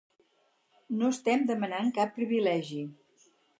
No estem demanant cap privilegi.